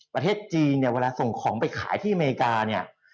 ประเทศจีนเนี่ยเวลาส่งของไปขายที่อเมริกาเนี่ย